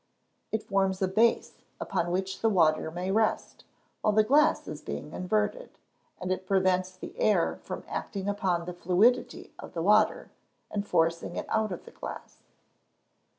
_ It forms a base upon which the water may rest, while the glass is being inverted; and it prevents the air from acting upon the fluidity of the water, and forcing it out of the glass.